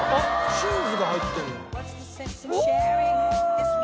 チーズが入ってるの？